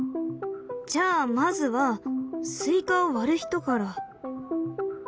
じゃあまずはスイカを割る人から。